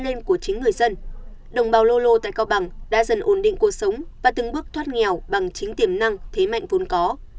dân tộc lô lô tại cao bằng đã dần ổn định cuộc sống và từng bước thoát nghèo bằng chính tiềm năng thế mạnh vốn có